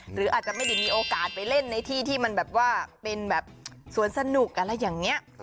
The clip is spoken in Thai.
หรืออาจจะไม่ได้มีโอกาสไปเล่นในที่ที่มันแบบว่าเป็นแบบสวนสนุกอะไรอย่างนี้